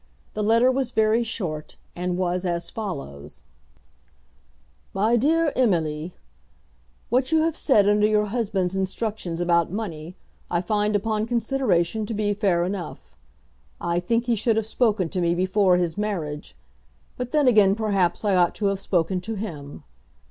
The letter was very short, and was as follows: MY DEAR EMILY, What you have said under your husband's instruction about money, I find upon consideration to be fair enough. I think he should have spoken to me before his marriage; but then again perhaps I ought to have spoken to him.